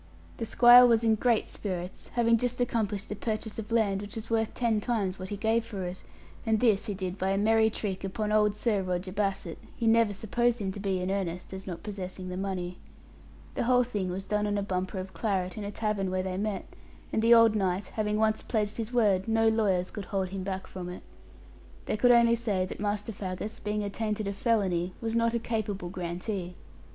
The squire was in great spirits, having just accomplished a purchase of land which was worth ten times what he gave for it; and this he did by a merry trick upon old Sir Roger Bassett, who never supposed him to be in earnest, as not possessing the money. The whole thing was done on a bumper of claret in a tavern where they met; and the old knight having once pledged his word, no lawyers could hold him back from it. They could only say that Master Faggus, being attainted of felony, was not a capable grantee.